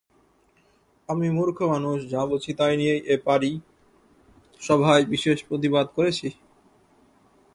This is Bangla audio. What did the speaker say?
আমি মূর্খ মানুষ, যা বুঝি তাই নিয়েই এ পারি-সভায় বিশেষ প্রতিবাদ করেছি।